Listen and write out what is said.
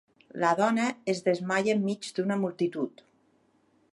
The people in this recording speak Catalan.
La dona es desmaia enmig d'una multitud.